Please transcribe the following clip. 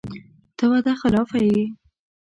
ته وعده خلافه یې !